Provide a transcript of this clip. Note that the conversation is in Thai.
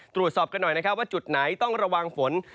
ตรวจสอบกันหน่อยนะครับว่าจุดไหนต้องระวังฝน